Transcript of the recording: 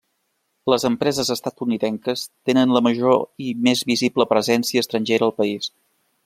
Les empreses estatunidenques tenen la major i més visible presència estrangera al país.